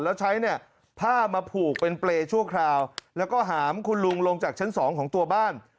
แล้วใช้เนี่ยผ้ามาผูกเป็นเปรย์ชั่วคราวแล้วก็หามคุณลุงลงจากชั้นสองของตัวบ้าน